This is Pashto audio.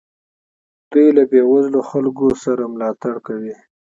دوی له بې وزلو خلکو ملاتړ کوي.